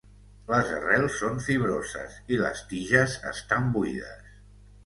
Les arrels són fibroses i les tiges estan buides.